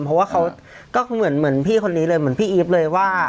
เพราะว่าเขาก็เหมือนพี่คนนี้เลยเหมือนพี่อีฟเลยว่า